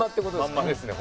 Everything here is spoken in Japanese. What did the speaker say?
まんまですね